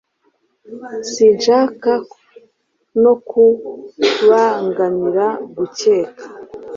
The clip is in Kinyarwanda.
Sinshaka no kubangamira gukeka.